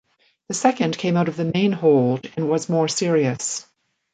The second came out of the main hold and was more serious.